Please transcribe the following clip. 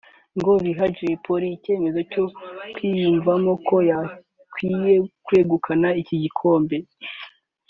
ngo biha Jay Polly icyizere cyo kwiyumvamo ko akwiye kwegukana iki gikombe